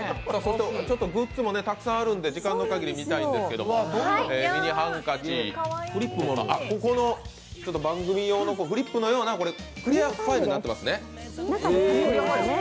グッズもたくさんあるんで時間の限り見たいんですけどミニハンカチ、ここの番組用のフリップのようなクリアファイルになっていますね。